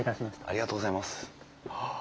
ありがとうございます。